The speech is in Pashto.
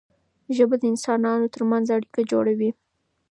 ژبه د انسانانو ترمنځ اړیکه جوړوي.